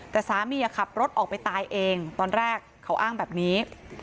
แต่สามีขับรถออกไปตายเองตอนแรกเขาอ้างแบบนี้